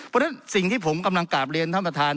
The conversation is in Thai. เพราะฉะนั้นสิ่งที่ผมกำลังกราบเรียนท่านประธาน